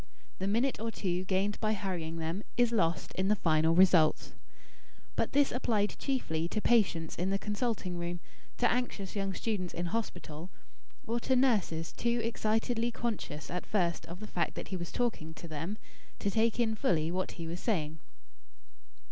The minute or two gained by hurrying them is lost in the final results." But this applied chiefly to patients in the consulting room; to anxious young students in hospital; or to nurses, too excitedly conscious at first of the fact that he was talking to them, to take in fully what he was saying.